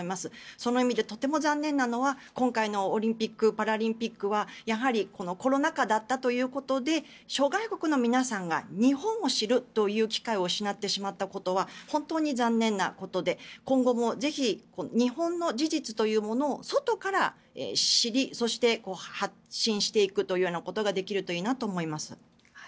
その意味で、とても残念なのは今回のオリンピック・パラリンピックはやはりコロナ禍だったということで諸外国の皆さんが日本を知るという機会を失ってしまったことは本当に残念なことで今後もぜひ日本の事実というものを外から知りそして発信していくということができるといいなと思います。